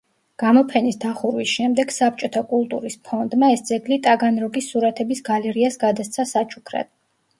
გამოფენის დახურვის შემდეგ საბჭოთა კულტურის ფონდმა ეს ძეგლი ტაგანროგის სურათების გალერეას გადასცა საჩუქრად.